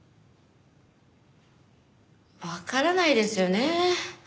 わからないですよね。